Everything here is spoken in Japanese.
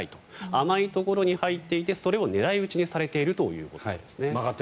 甘いところに入っていてそれを狙い打ちされているということです。